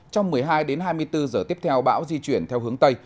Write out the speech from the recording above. trong một mươi hai h đến hai mươi bốn h giờ tiếp theo bão di chuyển theo hướng tây